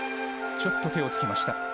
ちょっと手をつきました。